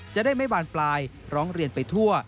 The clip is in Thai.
จะได้ไม่บานปลายร้องเรียนไปทั่ว